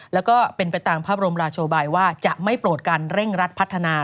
แล้วก็เป็นไปตามพระบรมราชบายว่าจะไม่โปรดการเร่งรัดพัฒนา